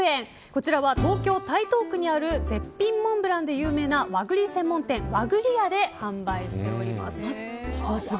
こちらは東京・台東区にある絶品モンブランで有名な和栗専門店、和栗やで販売しております。